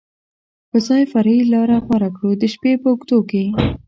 پر ځای فرعي لارې غوره کړو، د شپې په اوږدو کې.